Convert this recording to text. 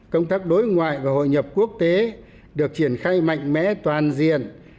công tác đối ngoại và hội nhập quốc tế được triển khai mạnh mẽ toàn diện